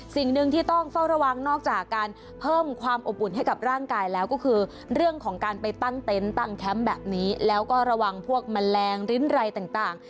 สิ่งหนึ่งที่ต้องเฝ้าระวังนอกจากการเพิ่มความอบอุ่นให้กับร่างกายแล้วก็คือเรื่องของการไปตั้งเต็นต์ตั้งแคมป์แบบนี้แล้วก็ระวังพวกแมลงริ้นไรต่าง